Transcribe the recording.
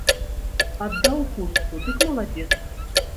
Аддаў хустку, дык маладзец!